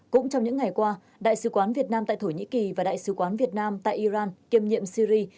cũng trong những ngày qua đại sứ quán việt nam tại thổ nhĩ kỳ và đại sứ quán việt nam tại iran kiêm nhiệm syri